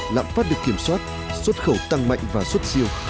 lạm phát được kiểm soát xuất khẩu tăng mạnh và xuất siêu